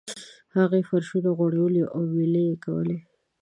هغوی فرشونه غوړولي وو او میلې یې کولې.